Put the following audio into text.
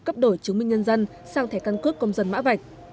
cấp đổi chứng minh nhân dân sang thẻ căn cước công dân mã vạch